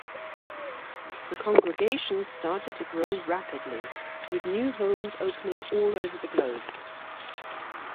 The Congregation started to grow rapidly, with new homes opening all over the globe.